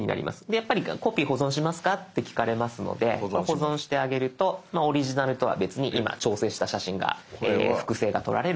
やっぱりコピー保存しますかって聞かれますので保存してあげるとオリジナルとは別に今調整した写真が複製がとられるっていうことです。